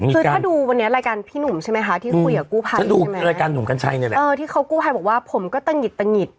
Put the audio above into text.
คือถ้าดูวันนี้รายการพี่หนุ่มใช่ไหมคะที่คุยกับกู้ภัยใช่ไหมเออที่เขากู้ภัยบอกว่าผมก็ตะหงิด